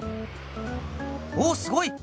おおすごいっ！